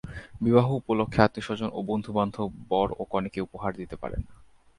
বিবাহ উপলক্ষে আত্মীয়স্বজন ও বন্ধুবান্ধব বর ও কনেকে উপহার দিতে পারেন।